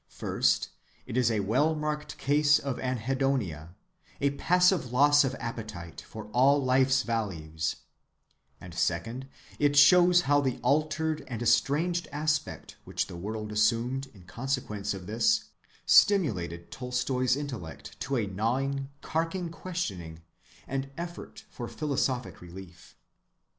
First it is a well‐marked case of anhedonia, of passive loss of appetite for all life's values; and second, it shows how the altered and estranged aspect which the world assumed in consequence of this stimulated Tolstoy's intellect to a gnawing, carking questioning and effort for philosophic relief.